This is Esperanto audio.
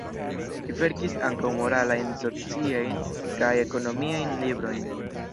Li verkis ankaŭ moralajn, sociajn kaj ekonomiajn librojn.